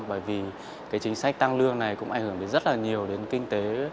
bởi vì cái chính sách tăng lương này cũng ảnh hưởng đến rất là nhiều đến kinh tế